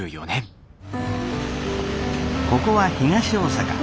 ここは東大阪。